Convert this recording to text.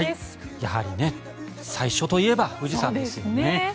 やはり最初といえば富士山ですよね。